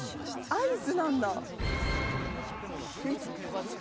アイスなんだ